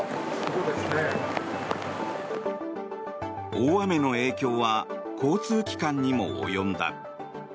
大雨の影響は交通機関にも及んだ。